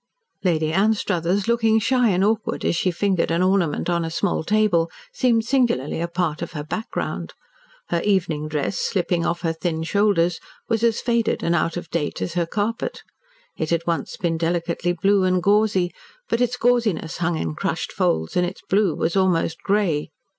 Lady Anstruthers, looking shy and awkward as she fingered an ornament on a small table, seemed singularly a part of her background. Her evening dress, slipping off her thin shoulders, was as faded and out of date as her carpet. It had once been delicately blue and gauzy, but its gauziness hung in crushed folds and its blue was almost grey.